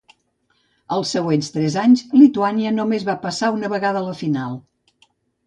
Els següents tres anys, Lituània només va passar una vegada a la final.